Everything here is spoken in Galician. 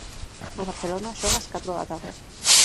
O Barcelona xoga ás catro da tarde.